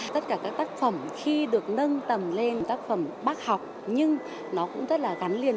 tất cả các tác phẩm khi được nâng tầm lên tác phẩm bác học nhưng nó cũng rất là gắn liền